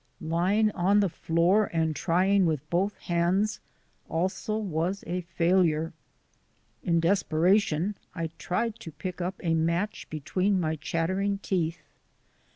Ly ing on the floor and trying with both hands also was a failure. In desperation I tried to pick up a match between my chattering teeth.